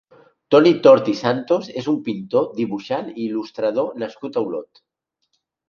Toni Tort i Santos és un pintor, dibuixant i il·lustrador nascut a Olot.